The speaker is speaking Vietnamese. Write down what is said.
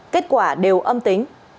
kết quả đều âm tính